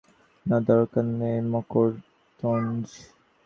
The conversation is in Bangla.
না, দরকার নেই মকরধ্বজ।